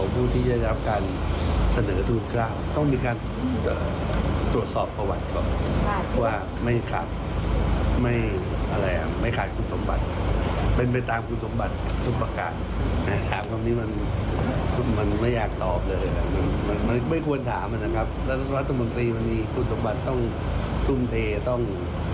มันไม่ควรถามนะครับรัฐมนตรีมันนี่คุณสมบัติต้องทุ่มเทต้อง